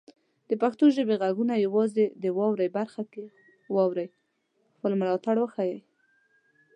د پښتو ژبې غږونه یوازې د "واورئ" برخه کې واورئ، خپل ملاتړ وښایئ.